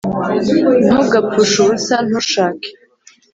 ntugapfushe ubusa, ntushake.